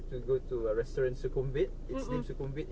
ผมอยู่ที่สุขมวิท